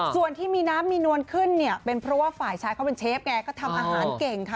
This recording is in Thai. ส่วนที่มีน้ำมีนวลขึ้นเนี่ยเป็นเพราะว่าฝ่ายชายเขาเป็นเชฟไงก็ทำอาหารเก่งค่ะ